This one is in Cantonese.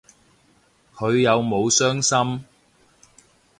佢有冇傷心